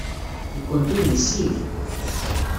Nekkenti d yessi-k.